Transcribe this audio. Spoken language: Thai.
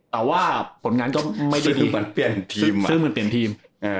แต่ว่าผลงานก็ไม่ดีซื้อมันเปลี่ยนทีม